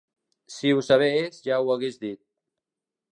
Si ho sabés ja ho hagués dit.